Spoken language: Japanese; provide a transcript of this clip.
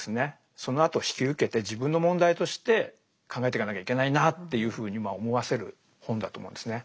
そのあとを引き受けて自分の問題として考えていかなきゃいけないなっていうふうに思わせる本だと思うんですね。